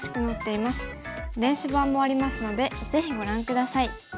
電子版もありますのでぜひご覧下さい。